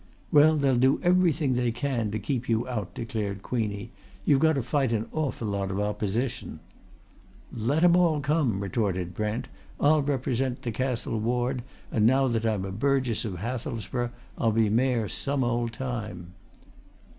"Well, they'll do everything they can to keep you out," declared Queenie. "You've got to fight an awful lot of opposition." "Let 'em all come!" retorted Brent. "I'll represent the Castle Ward, and now that I'm a burgess of Hathelsborough I'll be Mayor some old time."